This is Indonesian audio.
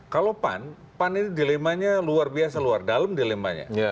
kalau pan pan ini dilemanya luar biasa luar dalam dilemanya